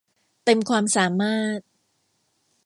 เต็มความสามารถ